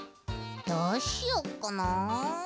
どうしよっかな。